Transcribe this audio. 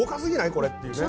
これっていうね。